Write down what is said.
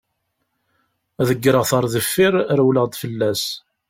Deggreɣ-t ɣer deffir, rewleɣ-d fell-as.